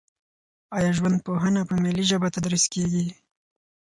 آیا ژوندپوهنه په ملي ژبه تدریس کیږي؟